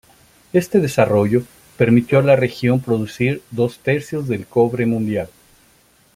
Este desarrollo permitió a la región producir dos tercios del cobre mundial.